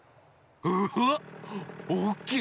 うわっおおきい！